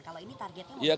kalau ini targetnya mau